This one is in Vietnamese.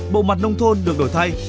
bộ mặt nông thôn được đổi thay